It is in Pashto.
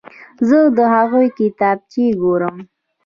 زه د هغوی کتابچې ګورم.